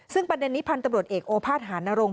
ซึ่งปัญญานี้พันธุ์ตำรวจเอกโอภาษฐ์หานรงค์